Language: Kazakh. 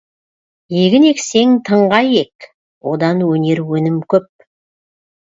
Егін ексең тыңға ек, одан өнер өнім көп.